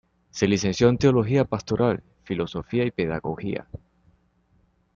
Se licenció en Teología pastoral, Filosofía y Pedagogía.